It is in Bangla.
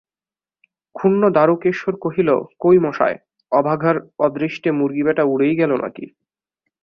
ক্ষুণ্ন দারুকেশ্বর কহিল, কই মশায়, অভাগার অদৃষ্টে মুর্গি বেটা উড়েই গেল নাকি?